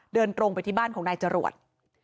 เดินตรงไปที่บ้านของนายจรวด